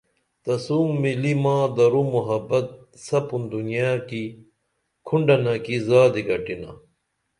تسو مِلی ما درو محبت سپُں دنیا کی کھونڈنہ کی زادی گٹینا